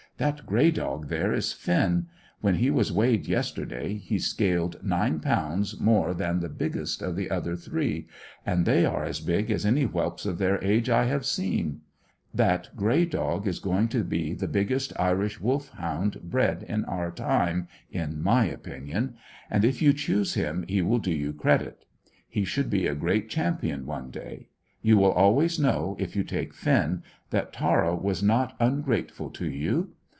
That grey dog there is Finn. When he was weighed yesterday he scaled nine pounds more than the biggest of the other three, and they are as big as any whelps of their age I have seen. That grey dog is going to be the biggest Irish Wolfhound bred in our time, in my opinion; and if you choose him he will do you credit. He should be a great champion one day. You will always know, if you take Finn, that Tara was not ungrateful to you.